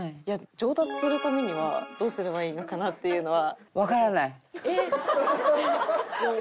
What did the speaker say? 上達するためにはどうすればいいのかなっていうのは。